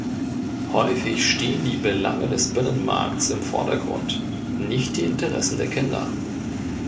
Häufig stehen die Belange des Binnenmarkts im Vordergrund, nicht die Interessen der Kinder.